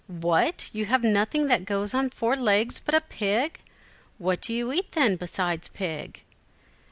"What, you have nothing that goes on four legs but a pig! What do you eat, then, besides pig?"